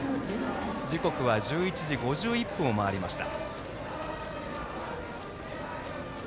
時刻は１１時５１分を回りました。